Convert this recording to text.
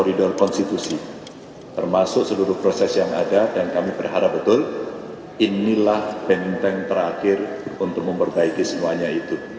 termasuk seluruh proses yang ada dan kami berharap betul inilah benteng terakhir untuk memperbaiki semuanya itu